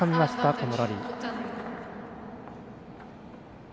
このラリー。